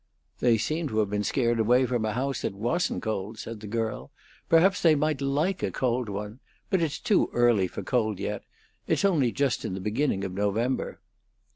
"They seem to have been scared away from a house that wasn't cold," said the girl. "Perhaps they might like a cold one. But it's too early for cold yet. It's only just in the beginning of November."